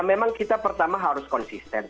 memang kita pertama harus konsisten